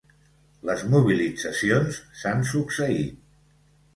Les mobilitzacions s'han succeït.